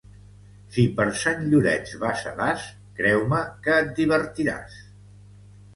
Si per Sant Llorenç vas a Das, creu-me que et divertiràs.